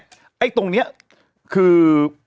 ไอ้ตรงนี้คือ